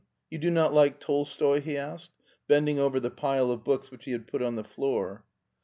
" You do not like Tolstoi ?" he asked, bending over the pile of books which he had put on the floor.